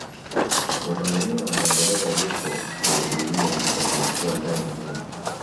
watanzania wanaomboleza vifo vya abiria waliyokuwa ndani ya meli